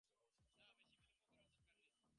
না, বেশি বিলম্ব করবার দরকার নেই।